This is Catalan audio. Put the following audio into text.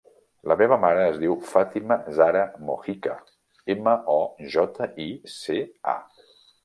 La meva mare es diu Fàtima zahra Mojica: ema, o, jota, i, ce, a.